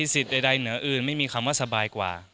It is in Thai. สิทธิ์ใดเหนืออื่นไม่มีคำว่าสบายกว่า